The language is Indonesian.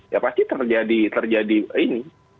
ya pasti terjadi ini